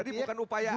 jadi bukan upaya apa